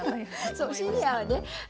そうシニアはね